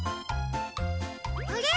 あれ？